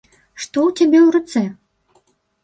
Што ў цябе ў руцэ?